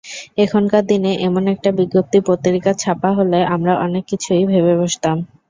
এখনকার দিনে এমন একটা বিজ্ঞপ্তি পত্রিকায় ছাপা হলে আমরা অনেক কিছুই ভেবে বসতাম।